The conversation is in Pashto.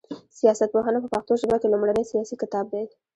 سياست پوهنه په پښتو ژبه کي لومړنی سياسي کتاب دی